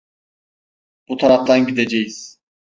Bu taraftan gideceğiz.